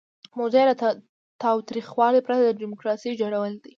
موضوع یې له تاوتریخوالي پرته د ډیموکراسۍ جوړول دي.